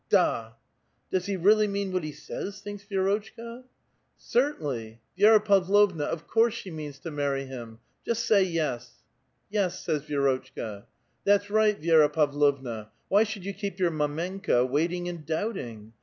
Da!'* " Does he really mean what he says?" thinks Vi^rotchka. "Certainly [da] ! Vi^ra Pavlovna; of course she means to marry him ! Just say ' \e8.' "" Yes," says Vi^rotchka. " That's right, Vi^ra Pavlovna ; why should you keep your mdmenka waiting and doubting